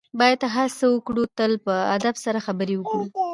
باید هڅه وکړو تل په ادب سره خبرې وکړو.